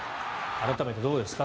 改めてどうですか？